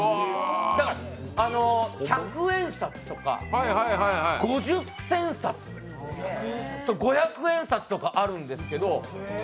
だから百円札とか五十銭札、五百円札とかあるんですけど。